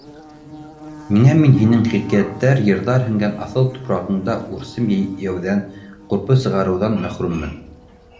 Ниңә мин һинең хикәйәттәр-йырҙар һеңгән аҫыл тупрағында үрсем йәйеүҙән, ҡурпы сығарыуҙан мәхрүммен?